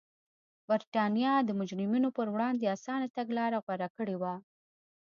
برېټانیا د مجرمینو پر وړاندې اسانه تګلاره غوره کړې وه.